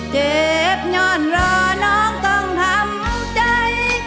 เจ็บนอนรอน้องต้องทำใจ